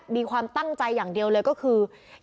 มีความตั้งใจอย่างเดียวเลยก็คือ